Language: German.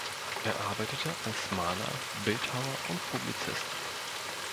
Er arbeitete als Maler, Bildhauer und Publizist.